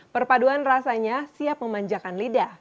perpaduan rasanya siap memanjakan lidah